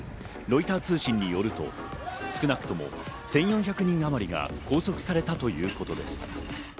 ロイター通信によると少なくとも１４００人あまりが拘束されたということです。